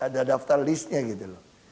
ada daftar listnya gitu loh